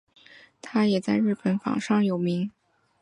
它也在日本榜上有名。